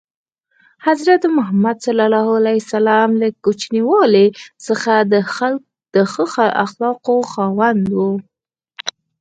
حضرت محمد ﷺ له کوچنیوالي څخه د ښو اخلاقو خاوند و.